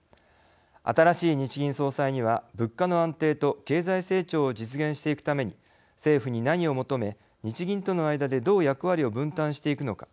新しい日銀総裁には物価の安定と経済成長を実現していくために政府に何を求め、日銀との間でどう役割を分担していくのか。